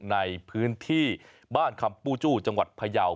ในพื้นที่บ้านคำปูจู้จังหวัดพยาว